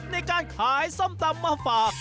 ในการขายส้มตำมาฝาก